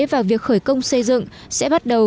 và việc khởi công xây dựng sẽ bắt đầu